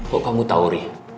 kok kamu tau ri